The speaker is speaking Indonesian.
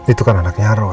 itu kan anaknya aroh ya